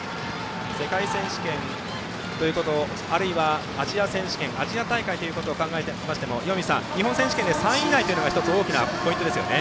世界選手権ということあるいはアジア選手権アジア大会を考えましても岩水さん日本選手権で３位以内というのが１つ大きなポイントですよね。